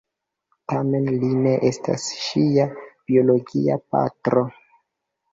Tamen li ne estas ŝia biologia patro.